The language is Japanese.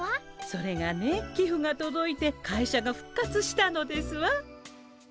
それがねきふがとどいて会社が復活したのですわ。